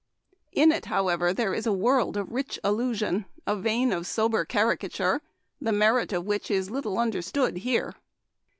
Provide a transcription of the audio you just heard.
In it, however, there is a world of rich allusion, a vein of sober caricature, the merit of which is little understood here.